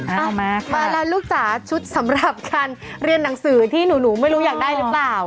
เอามามาแล้วลูกจ๋าชุดสำหรับการเรียนหนังสือที่หนูไม่รู้อยากได้หรือเปล่า